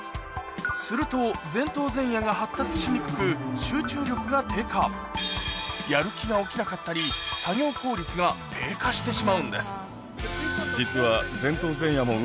すると前頭前野が発達しにくく集中力が低下やる気が起きなかったり作業効率が低下してしまうんです実は。